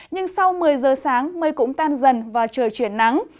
nhưng sau một mươi giờ sáng mây cũng tan dần và trời chuyển nắng